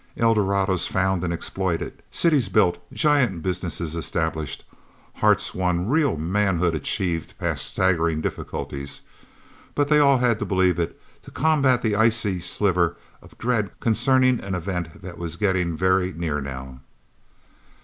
Eldorados found and exploited, cities built, giant businesses established, hearts won, real manhood achieved past staggering difficulties. But they all had to believe it, to combat the icy sliver of dread concerning an event that was getting very near, now.